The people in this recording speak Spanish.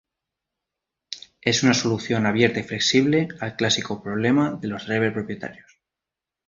Es una solución abierta y flexible al clásico problema de los drivers propietarios.